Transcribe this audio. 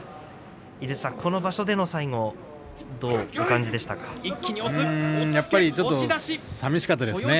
井筒さん、この場所での最後どうでしたかね。